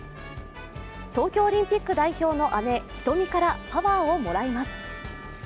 東京オリンピック代表の姉、瞳からパワーをもらいます。